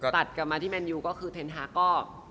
ตัดกลับมาที่แมนยูก็คือเทนฮาร์กก็